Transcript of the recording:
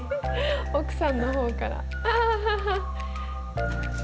奥さんの方から。